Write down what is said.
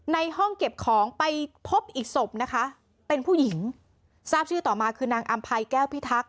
ในห้องเก็บของไปพบอีกศพนะคะเป็นผู้หญิงทราบชื่อต่อมาคือนางอำภัยแก้วพิทักษ